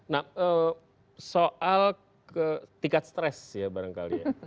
nah soal tingkat stres ya barangkali ya